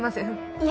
いや